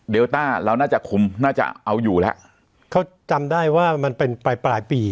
ต้าเราน่าจะคุมน่าจะเอาอยู่แล้วเขาจำได้ว่ามันเป็นปลายปลายปี